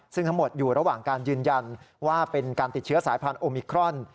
ซึ่งทั้งหมดอยู่ระหว่างการยืนยันว่าเป็นการติดเชื้อสายพันธุมิครอน